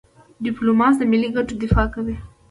ډيپلوماسي د ملي ګټو دفاع کوي.